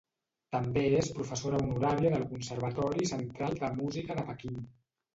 També és professora honoraria del Conservatori Central de Música de Pequín.